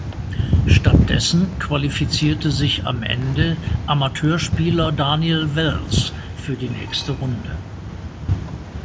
Stattdessen qualifizierte sich am Ende Amateurspieler Daniel Wells für die nächste Runde.